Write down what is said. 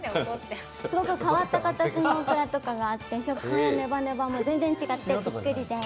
すごく変わった形のオクラとかがあって食感やネバネバとかも全然違ってびっくりです。